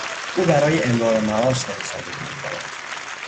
او برای امرار معاش نویسندگی میکند.